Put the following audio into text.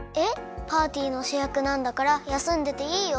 パーティーのしゅやくなんだからやすんでていいよ？